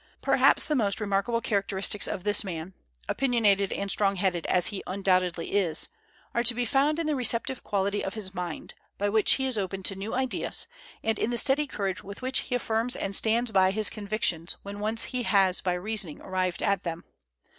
Perhaps the most remarkable characteristics of this man, opinionated and strong headed as he undoubtedly is, are to be found in the receptive quality of his mind, by which he is open to new ideas, and in the steady courage with which he affirms and stands by his convictions when once he has by reasoning arrived at them.